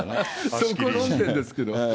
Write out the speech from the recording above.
そこ論点ですけど。